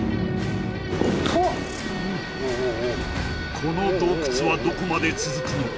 この洞窟はどこまで続くのか？